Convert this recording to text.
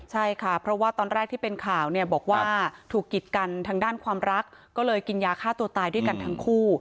ใช่ค่ะเพราะว่าตอนแรกที่เป็นข่าวเนี่ยบอกว่าถูกกิดกันทางด้านความรักก็เลยกินยาฆ่าตัวตายด้วยกันทั้งคู่